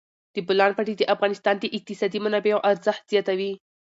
د بولان پټي د افغانستان د اقتصادي منابعو ارزښت زیاتوي.